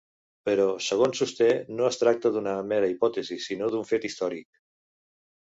Però, segons sosté, no es tracta d'una mera hipòtesi, sinó d'un fet històric.